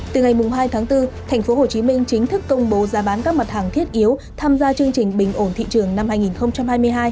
từ ngày hai tháng bốn tp hcm chính thức công bố giá bán các mặt hàng thiết yếu tham gia chương trình bình ổn thị trường năm hai nghìn hai mươi hai